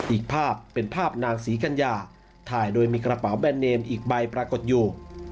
อีกภาพเป็นภาพนางศรีกัญญาถ่ายโดยมีกระเป๋าแบนเนมอีกใบปรากฏอยู่